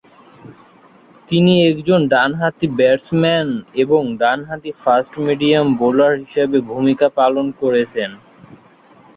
তিনি একজন ডানহাতি ব্যাটসম্যান এবং ডানহাতি ফাস্ট মিডিয়াম বোলার হিসাবে ভূমিকা পালন করছেন।